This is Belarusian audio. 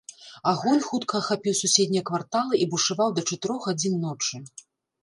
Агонь хутка ахапіў суседнія кварталы і бушаваў да чатырох гадзін ночы.